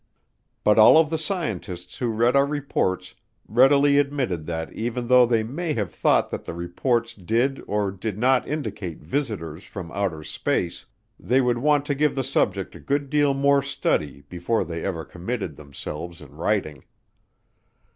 But all of the scientists who read our reports readily admitted that even though they may have thought that the reports did or did not indicate visitors from outer space, they would want to give the subject a good deal more study before they ever committed themselves in writing.